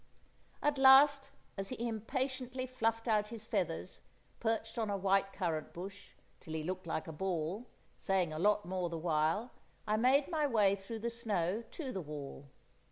At last, as he impatiently fluffed out his feathers, perched on a white currant bush, till he looked like a ball, saying a lot more the while, I made my way through the snow to the wall.